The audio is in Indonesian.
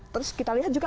terus kita lihat juga